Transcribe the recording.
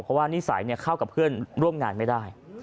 เพราะว่านิสัยเข้ากับเพื่อนร่วมงานไม่ได้